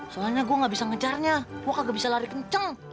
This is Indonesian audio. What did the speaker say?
soalnya gua ga bisa ngejarnya gua kagak bisa lari kenceng